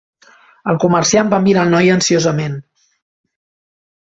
El comerciant va mirar el noi ansiosament.